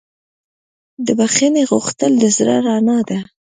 د بښنې غوښتل د زړه رڼا ده.